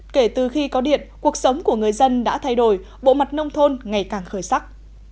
kể từ khi có điện cuộc sống của người dân đã thay đổi bộ mặt nông thôn ngày càng khởi sắc